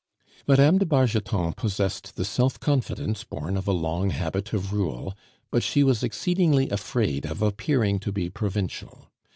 Mme. de Bargeton possessed the self confidence born of a long habit of rule, but she was exceedingly afraid of appearing to be provincial.